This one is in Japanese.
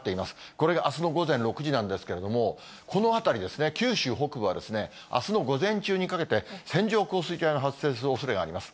これがあすの午前６時なんですけれども、この辺り、九州北部はあすの午前中にかけて、線状降水帯の発生するおそれがあります。